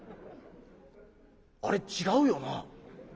「あれ違うよな。